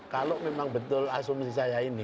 kalau memang betul asumsi saya ini